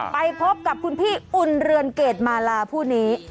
ไปพบกับคุณพี่อุ่นเรือนเกรดมาลาผู้นี้